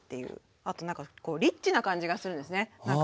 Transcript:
あとなんかリッチな感じがするんですねなんか